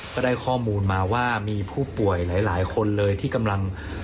ก็ได้ข้อมูลมาว่ามีผู้ป่วยหลายคนเลยที่กำลัง